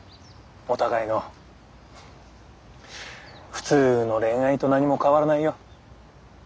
普通の恋愛と何も変わらないよ。